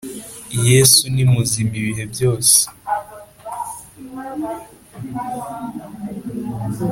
yesu ni muzima ibihe byose